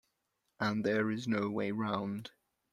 And there is no way round.